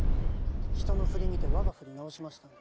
人のふり見て我がふり直しましたんで。